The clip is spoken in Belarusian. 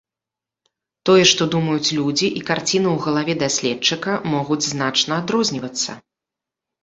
Тое, што думаюць людзі, і карціна ў галаве даследчыка могуць значна адрознівацца.